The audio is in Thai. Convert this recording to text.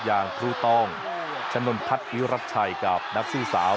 อย่างครูต้องชะนนทัศน์วิรัตชัยกับนักสู้สาว